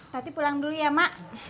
berarti pulang dulu ya mak